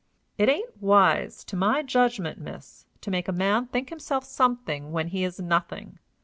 "It ain't wise, to my judgment, miss, to make a man think himself something when he is nothing.